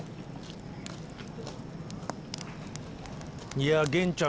いや源ちゃん